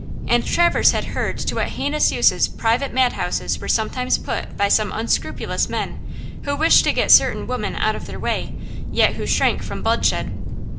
And Traverse had heard to what heinous uses private madhouses were sometimes put by some unscrupulous men, who wished to get certain women out of their way, yet who shrank from bloodshed.